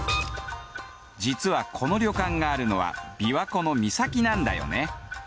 実はこの旅館があるのは琵琶湖の岬なんだよね。